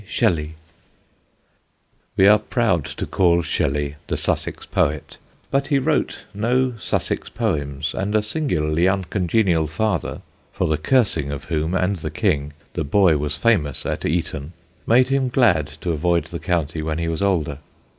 SHELLEY." [Sidenote: SHELLEY IN SUSSEX] We are proud to call Shelley the Sussex poet, but he wrote no Sussex poems, and a singularly uncongenial father (for the cursing of whom and the King the boy was famous at Eton) made him glad to avoid the county when he was older.